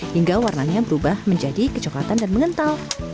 hingga warnanya berubah menjadi kecoklatan dan mengental